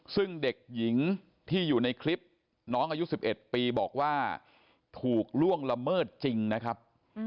ซึ่งเด็กหญิงที่อยู่ในคลิปน้องอายุ๑๑ปีบอกว่าถูกล่วงละเมิดจริงนะครับ